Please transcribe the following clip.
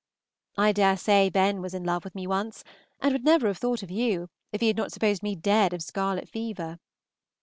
I dare say Ben was in love with me once, and would never have thought of you if he had not supposed me dead of scarlet fever.